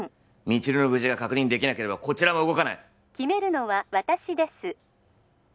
未知留の無事が確認できなければこちらも動かない☎決めるのは私です